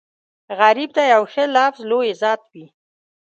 غریب ته یو ښه لفظ لوی عزت وي